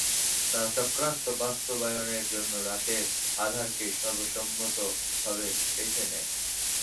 তারা চক্রান্ত বাস্তবায়নের জন্য রাতের আঁধারকে সর্বসম্মতভাবে বেছে নেয়।